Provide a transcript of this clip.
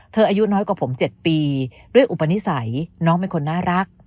อายุน้อยกว่าผม๗ปีด้วยอุปนิสัยน้องเป็นคนน่ารัก